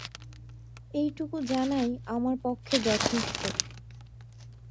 এইটুকু জানাই আমার পক্ষে যথেষ্ট।